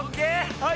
はい！